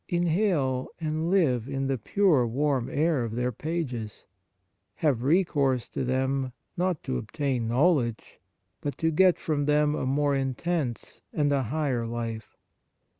Inhale and live in the pure warm air of their pages. Have recourse to them, not to obtain knowledge, but to get from them a more intense and a higher life.